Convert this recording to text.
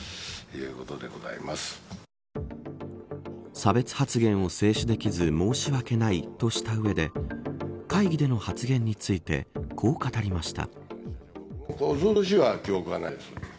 差別発言を制止できず申し訳ないとした上で会議での発言についてこう語りました。